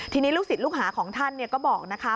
ทีนี้ลูกศิษย์ลูกหาของท่านก็บอกนะคะ